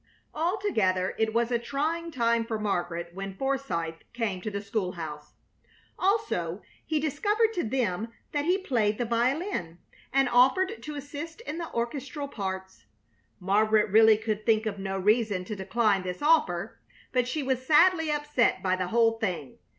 Altogether it was a trying time for Margaret when Forsythe came to the school house. Also, he discovered to them that he played the violin, and offered to assist in the orchestral parts. Margaret really could think of no reason to decline this offer, but she was sadly upset by the whole thing.